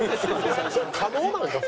可能なのか？